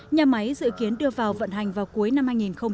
nhà máy dự kiến đưa vào vận hành vào cuối năm hai nghìn hai mươi